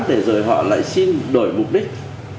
để rồi họ lại xin đổi mục đích